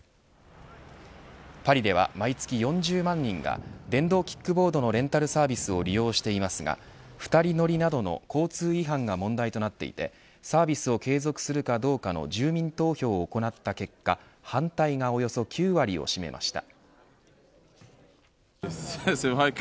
パリでは、毎月４０万人が電動キックボードのレンタルサービスを利用していますが２人乗りなどの交通違反が問題なっていてサービスを継続するかどうかの住民投票を行った結果反対がおよそ９割を占めました。